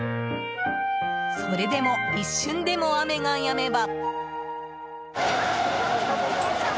それでも、一瞬でも雨がやめば。